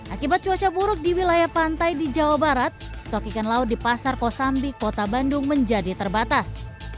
akibat cuaca buruk di wilayah pantai di jawa barat stok ikan laut di pasar kosambi kota bandung menjadi terbatas